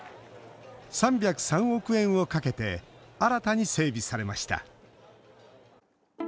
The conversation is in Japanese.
３０３億円をかけて新たに整備されました。